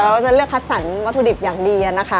ก็จะเลือกคัดสรรวัตถุดิบอย่างดีนะคะ